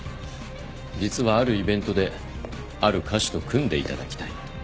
実はあるイベントである歌手と組んでいただきたい。